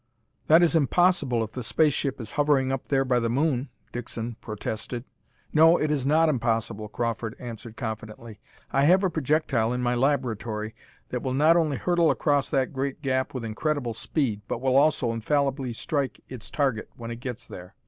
"That is impossible if the space ship is hovering up there by the moon!" Dixon protested. "No, it is not impossible," Crawford answered confidently. "I have a projectile in my laboratory that will not only hurtle across that great gap with incredible speed, but will also infallibly strike its target when it gets there.